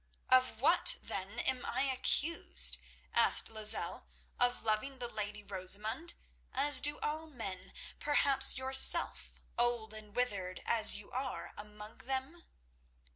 "Of what, then, am I accused?" asked Lozelle. "Of loving the lady Rosamund, as do all men—perhaps yourself, old and withered as you are, among them?"